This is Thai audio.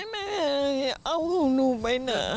แม่เอาของหนูไปนะ